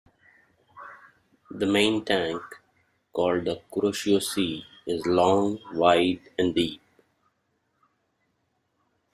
The main tank, called the Kuroshio Sea, is long, wide and deep.